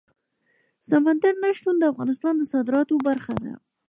سمندر نه شتون د افغانستان د صادراتو برخه ده.